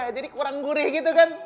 jadi kurang gurih gitu kan